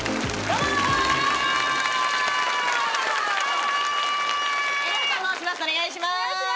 お願いします。